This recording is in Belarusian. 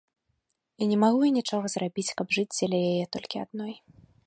І не магу я нічога зрабіць, каб жыць дзеля яе толькі адной.